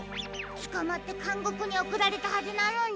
つかまってかんごくにおくられたはずなのに。